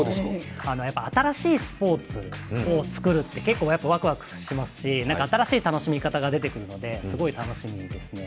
やっぱり新しいスポーツをつくるって、結構ワクワクしますし、新しい楽しみ方が出てくるのですごい楽しみですね。